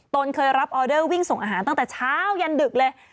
เคยรับออเดอร์วิ่งส่งอาหารตั้งแต่เช้ายันดึกเลย